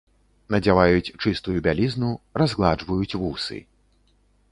Надзяваюць чыстую бялізну, разгладжваюць вусы.